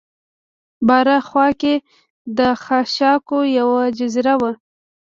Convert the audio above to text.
بره خوا کې د خاشاکو یوه جزیره وه.